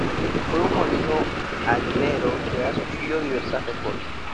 Fue un molino harinero que ha sufrido diversas reformas.